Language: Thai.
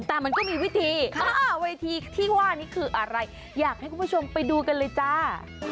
แต่มันก็มีวิธีเวทีที่ว่านี้คืออะไรอยากให้คุณผู้ชมไปดูกันเลยจ้า